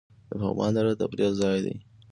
د پغمان دره د تفریح ځای دی